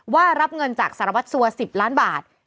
ว่ารับเงินจากสารวัตรสัว๑๐ล้านบาท